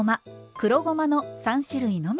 黒ごまの３種類のみ。